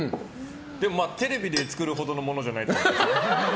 でも、テレビで作るほどのものじゃないと思う。